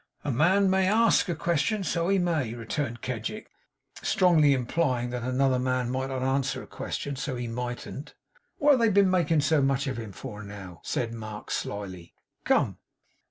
'A man may ASK a question, so he may,' returned Kedgick; strongly implying that another man might not answer a question, so he mightn't. 'What have they been making so much of him for, now?' said Mark, slyly. 'Come!